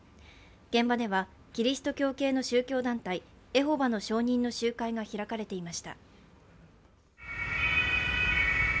現場ではキリスト教系の宗教団体、エホバの証人の集会が開かれていました。